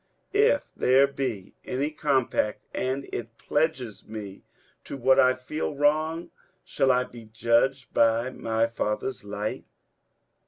If there be any compact, and it pledges me to what I feel wrong, shall I be judged by my father's light